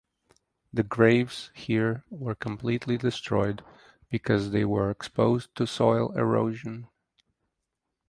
The graves here were completely destroyed because they were exposed to soil erosion.